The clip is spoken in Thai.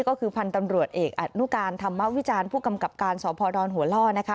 ก็คือพันธุ์ตำรวจเอกอนุการธรรมวิจารณ์ผู้กำกับการสพดหัวล่อนะคะ